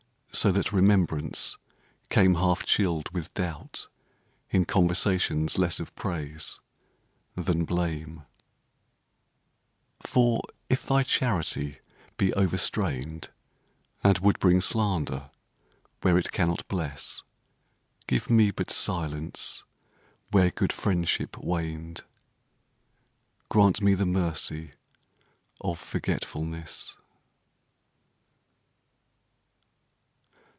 So that remembrance came half chilled with doubt In conversations less of praise than blame. THE SAD TEARS IF YOU SHOULD PASS (Continued) For if thy charity be overstrained And would bring slander where it cannot bless, Give me but silence where good friendship waned, Grant me the mercy of forgetfulness.